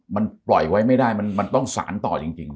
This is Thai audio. มันปล่อยไว้ไม่ได้มันต้องสารต่อจริง